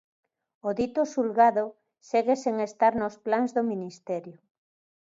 O dito xulgado segue sen estar nos plans do Ministerio.